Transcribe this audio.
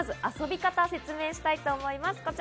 まず遊び方を説明してもらいたいと思います。